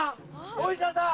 お医者さん。